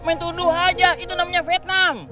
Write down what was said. main tuduh aja itu namanya vietnam